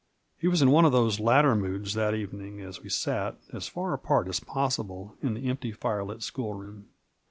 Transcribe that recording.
He was in one of these latter moods that evening, as we sat, as far apart as possible, in the empty, firelit school room.